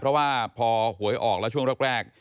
เพราะว่าพอหวยออกแล้วช่วงแรก